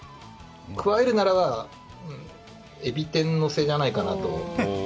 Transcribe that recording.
加えるなら、エビ天のせじゃないかなと。